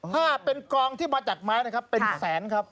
ถ้าเป็นกองที่มาจากไม้นะครับเป็นแสนครับ